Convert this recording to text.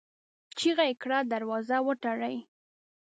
چيغه يې کړه! دروازه وتړئ!